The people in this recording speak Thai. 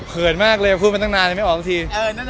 เขินมากเลยพูดมาตั้งนานเลยไม่ออกสักที